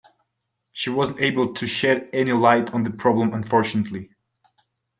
She wasn’t able to shed any light on the problem, unfortunately.